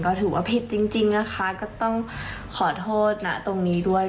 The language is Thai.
ก็ถือว่าผิดจริงนะคะก็ต้องขอโทษนะตรงนี้ด้วย